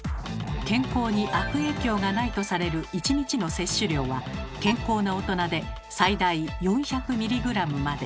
健康に悪影響がないとされる１日の摂取量は健康な大人で最大４００ｍｇまで。